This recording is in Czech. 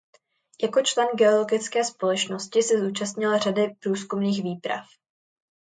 Jako člen geologické společnosti se zúčastnil řady průzkumných výprav.